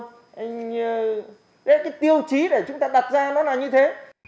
đấy là cái tiêu chí để chúng ta đặt ra nó là như thế